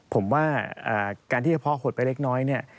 ผมว่าการที่เฉพาะหดไปเล็กน้อยเนี่ย